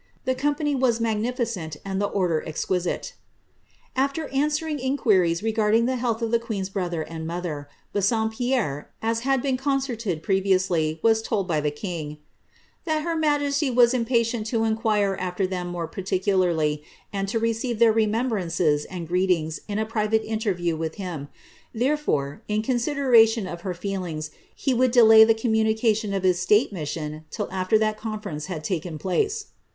Tht company was magnificent^ and the order exquisite." AfVer answering inquiries regarding the health of the queen's brother and mother, Bassom pierre, as had been concerted previously, was told by the king, ^ that her majesty was impatient to inquire aAer them more particularly, and to receive their remembrances and greetings in a private interview with him ; therefore, in consideration of her feelings, he would delay the com* munication of his state mission till after that conference had taken place.